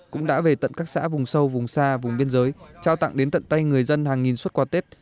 cũng đã về tận các xã vùng sâu vùng xa vùng biên giới trao tặng đến tận tay người dân hàng nghìn xuất quà tết